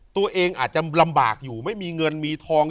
ตัวเองอาจจะลำบากอยู่ไม่มีเงินมีทอง